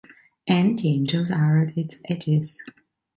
And the angels are at its edges.